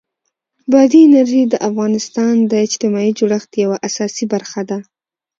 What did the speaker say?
بادي انرژي د افغانستان د اجتماعي جوړښت یوه اساسي برخه ده.